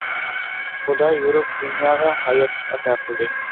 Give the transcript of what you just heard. خۇدا يورۇق دۇنياغا ھاياتلىق ئاتا قىلدى.